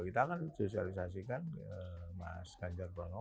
kita akan sosialisasikan mas ganjar pranowo